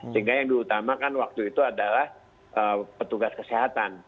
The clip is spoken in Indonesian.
sehingga yang diutamakan waktu itu adalah petugas kesehatan